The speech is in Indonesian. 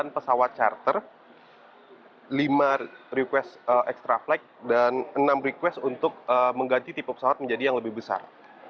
delapan pesawat charter lima request extra flight dan enam request untuk mengganti tipe pesawat menjadi yang lebih besar